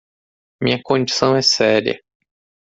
Minha condição é séria.